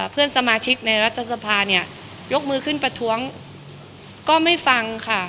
เพื่อนสมาชิกในรัฐสภาเนี่ยยกมือขึ้นประท้วงก็ไม่ฟังค่ะ